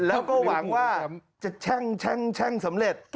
แล้วก็หวังว่าจะแช่งสำเร็จ